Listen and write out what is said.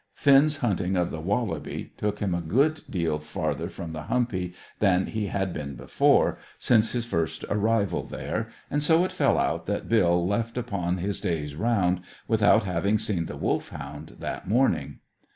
Finn's hunting of the wallaby took him a good deal farther from the humpy than he had been before, since his first arrival there; and so it fell out that Bill left upon his day's round without having seen the Wolfhound that morning.